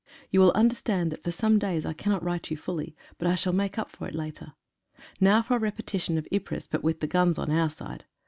You will understand that for some days I cannot write you fully, but I shall make up' for it later. Now for a repetition of Ypres, but with the guns on our side.